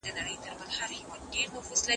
زه بايد سفر وکړم،